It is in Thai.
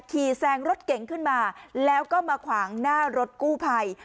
แซงรถเก๋งขึ้นมาแล้วก็มาขวางหน้ารถกู้ภัย